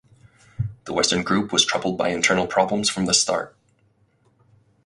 The western group was troubled by internal problems from the start.